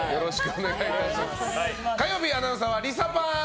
火曜日アナウンサーはリサパン。